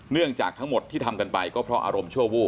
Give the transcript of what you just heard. เนื่องจากทั้งหมดที่ทำกันไปก็เพราะอารมณ์ชั่ววูบ